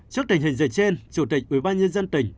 trước tình hình dịch trên chủ tịch ubnd tỉnh